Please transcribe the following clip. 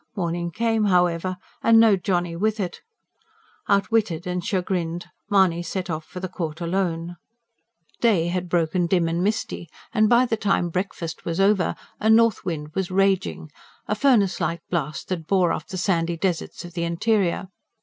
Morning came, however, and no Johnny with it. Outwitted and chagrined, Mahony set off for the court alone. Day had broken dim and misty, and by the time breakfast was over a north wind was raging a furnace like blast that bore off the sandy deserts of the interior.